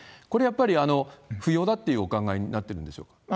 これ、やっぱり不要だってお考えになってるんでしょうか？